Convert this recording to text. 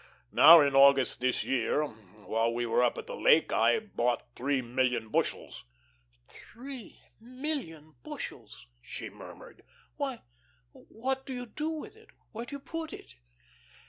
Now in August this year, while we were up at the lake, I bought three million bushels." "Three million bushels!" she murmured. "Why, what do you do with it? Where do you put it?"